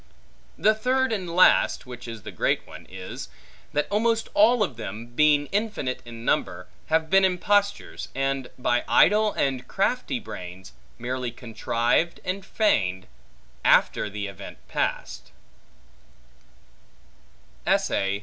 The third and last (which is the great one) is, that almost all of them, being infinite in number, have been impostures, and by idle and crafty brains merely contrived and feigned, after the event past.